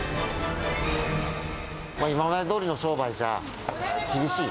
今までどおりの商売じゃ厳しい。